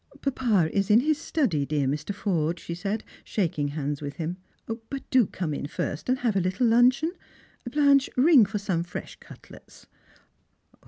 "Papa is in hia Btudy, dear Mr. Forde." she said, shaking hands with him_; "but do come in first and have a little luncheon. — Blanche, ling for some fresh cutlets."